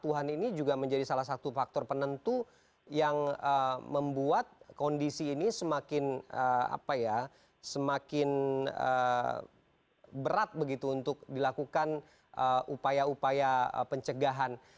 ketuhan ini juga menjadi salah satu faktor penentu yang membuat kondisi ini semakin berat begitu untuk dilakukan upaya upaya pencegahan